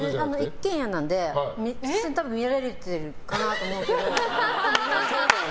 一軒家なので普通に見られてるかなと思うので。